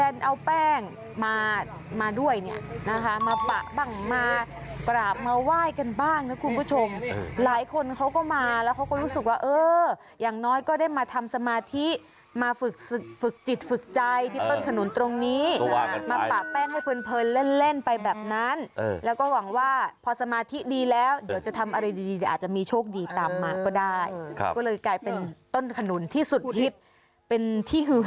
เอาแป้งมามาด้วยเนี่ยนะคะมาปะบ้างมากราบมาไหว้กันบ้างนะคุณผู้ชมหลายคนเขาก็มาแล้วเขาก็รู้สึกว่าเอออย่างน้อยก็ได้มาทำสมาธิมาฝึกฝึกจิตฝึกใจที่ต้นขนุนตรงนี้มาปะแป้งให้เพลินเล่นเล่นไปแบบนั้นแล้วก็หวังว่าพอสมาธิดีแล้วเดี๋ยวจะทำอะไรดีอาจจะมีโชคดีตามมาก็ได้ก็เลยกลายเป็นต้นขนุนที่สุดฮิตเป็นที่ฮือ